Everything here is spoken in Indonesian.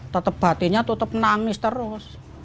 tetap batinnya tutup menangis terus